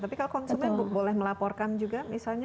tapi kalau konsumen boleh melaporkan juga misalnya